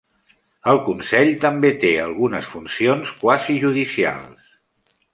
El consell també té algunes funcions quasi judicials.